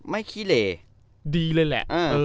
ไม่ขี้เหล่